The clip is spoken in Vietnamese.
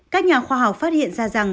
các nhà khoa học phát hiện ra rằng